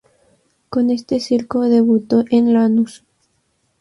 Con este circo debutó en Lanús.